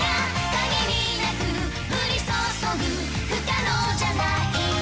「限りなく降りそそぐ不可能じゃないわ」